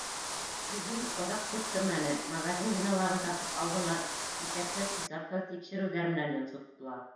Һөжүм оҙаҡ көттөрмәне: магазин биналарын тартып алдылар, иҫәпһеҙ-хисапһыҙ тикшереүҙәр менән йонсоттолар.